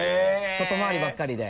外回りばっかりで。